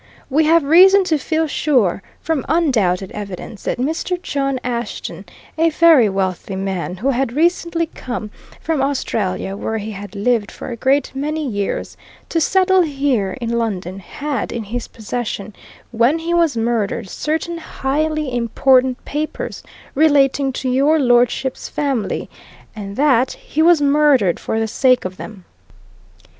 We have reason to feel sure, from undoubted evidence, that Mr. John Ashton, a very wealthy man, who had recently come from Australia, where he had lived for a great many years, to settle here in London, had in his possession when he was murdered certain highly important papers relating to your lordship's family, and that he was murdered for the sake of them!"